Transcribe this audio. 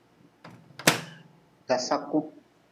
Dasaku.